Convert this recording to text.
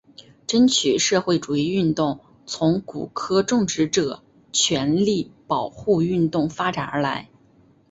争取社会主义运动从古柯种植者权利保护运动发展而来。